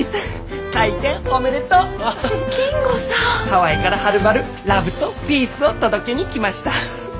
ハワイからはるばるラブとピースを届けに来ました。